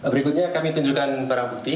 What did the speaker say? berikutnya kami tunjukkan barang bukti